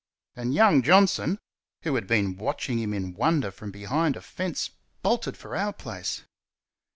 And young Johnson, who had been watching him in wonder from behind a fence, bolted for our place.